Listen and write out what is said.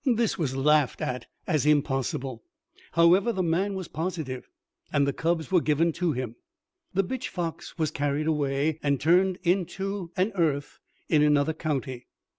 This was laughed at as impossible; however, the man was positive, and the cubs were given to him. The bitch fox was carried away, and turned into an earth in another county.